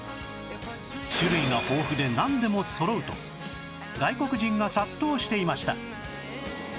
種類が豊富でなんでもそろうと外国人が殺到していました